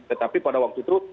tetapi pada waktu itu